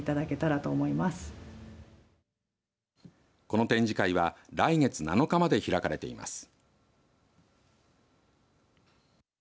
この展示会は来月７日まで開かれています。